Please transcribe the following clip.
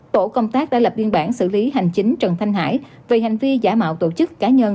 tổ công tác đã lập biên bản xử lý hành chính trần thanh hải về hành vi giả mạo tổ chức cá nhân